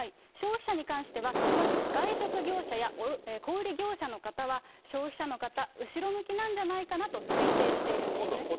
消費者に関しては、まず外食業者や小売り業者の方は、消費者の方、後ろ向きなんじゃないかなと推定しているんですね。